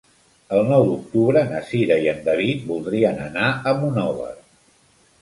El nou d'octubre na Cira i en David voldrien anar a Monòver.